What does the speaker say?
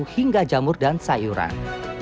hingga jamur dan sayuran